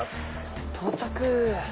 到着！